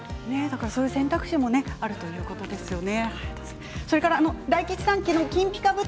そういう選択肢もあるということですね。